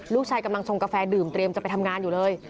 กำลังชงกาแฟดื่มเตรียมจะไปทำงานอยู่เลย